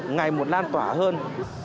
ngày một lan tỏa hơn